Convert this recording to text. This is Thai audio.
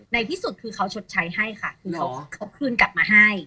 ในที่สุดคือเขาชดใช้ให้ค่ะคือเขาคืนกลับมาให้